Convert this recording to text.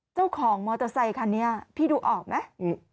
เจ้าของมอเตอร์ไซค่ะนี่พี่ดูออกไหม